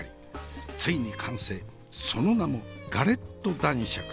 ついに完成その名もガレット男爵。